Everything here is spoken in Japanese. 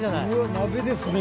鍋ですね。